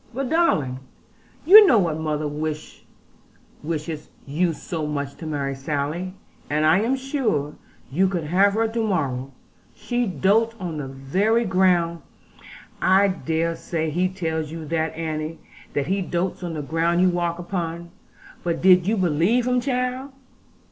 'But, darling, you know that mother wishes you so much to marry Sally; and I am sure you could have her to morrow. She dotes on the very ground ' 'I dare say he tells you that, Annie, that he dotes on the ground you walk upon but did you believe him, child?'